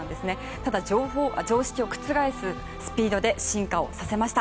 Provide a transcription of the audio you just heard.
ただ、常識を覆すスピードで進化をさせました。